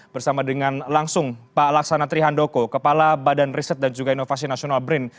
bersama dengan langsung pak laksana trihandoko kepala badan riset dan juga inovasi nasional brin